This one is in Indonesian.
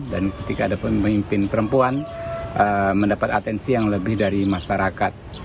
dan ketika ada pemimpin perempuan mendapat atensi yang lebih dari masyarakat